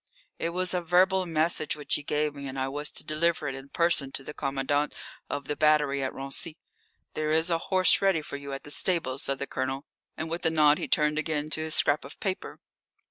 It was a verbal message which he gave me, and I was to deliver it in person to the commandant of the battery at Raincy. "There is a horse ready for you at the stables," said the Colonel, and with a nod he turned again to his scrap of paper.